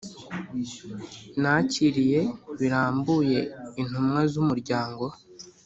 nakiriye birambuye intumwa z'umuryango